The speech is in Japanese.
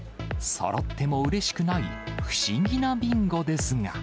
そろってもうれしくない不思議なビンゴですが。